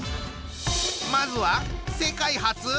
まずは世界初！？